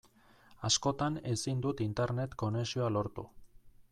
Askotan ezin dut Internet konexioa lortu.